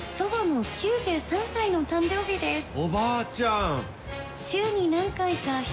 「おばあちゃん！」。